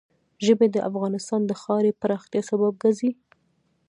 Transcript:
ژبې د افغانستان د ښاري پراختیا سبب کېږي.